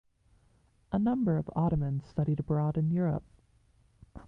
A number of Ottomans studied abroad in Europe.